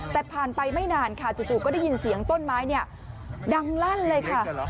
แต่ผ่านไปไม่นานค่ะจู่ก็ได้ยินเสียงต้นไม้ดังลั่นเลยค่ะ